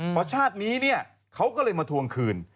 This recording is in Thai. เพราะชาตินี้เนี่ยเขาก็เลยมาทวงคืน